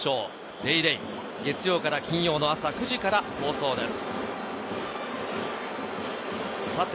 『ＤａｙＤａｙ．』は月曜から金曜の朝９時から放送です。